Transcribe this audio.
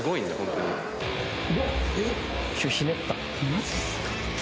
マジっすか？